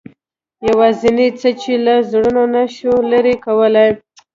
یوازینۍ څه چې له زړونو نه شو لرې کولای.